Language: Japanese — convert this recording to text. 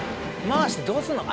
回してどうすんの？